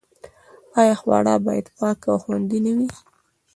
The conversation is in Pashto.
آیا خواړه باید پاک او خوندي نه وي؟